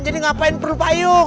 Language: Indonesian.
jadi ngapain perlu payung